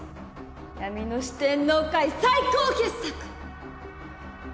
闇の四天王界最高傑作！